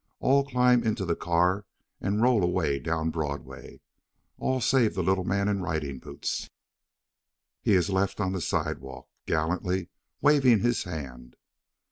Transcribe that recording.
All climb into the car and roll away down Broadway. All save the little man in riding boots. He is left on the sidewalk, gallantly waving his hand.